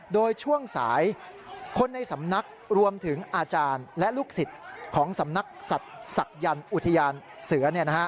โดยช่วงสายคนในสำนักศักดิ์รวมถึงอาจารย์และลูกศิษย์ของสำนักศักดิ์ศักดิ์ยันอุทยานเสือเนี้ยนะฮะ